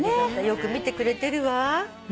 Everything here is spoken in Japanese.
よく見てくれてるわ。